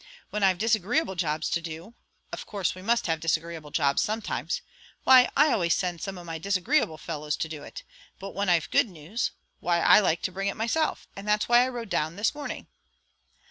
When I've disagreeable jobs to do of course we must have disagreeable jobs sometimes why, I always send some of my disagreeable fellows to do it; but when I've good news, why I like to bring it myself, and that's why I rode down this morning."